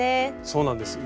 そうなんです。